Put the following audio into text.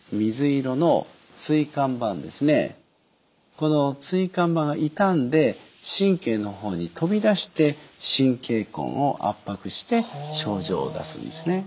この椎間板が傷んで神経の方に飛び出して神経根を圧迫して症状を出すんですね。